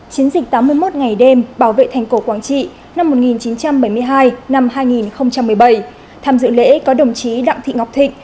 chiến dịch tám mươi một ngày đêm bảo vệ thành cổ quảng trị năm một nghìn chín trăm bảy mươi hai hai nghìn một mươi bảy tham dự lễ có đồng chí đặng thị ngọc thịnh